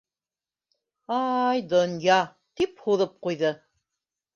Ай, донъя... - тип һуҙып ҡуйҙы.